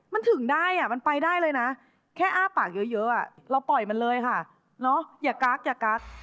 มันถึงได้มันไปได้เลยนะแค่อ้าปากเยอะเราปล่อยมันเลยค่ะอย่ากักอย่ากัก